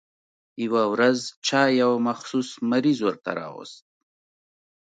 يوه ورځ چا يو مخصوص مریض ورته راوست.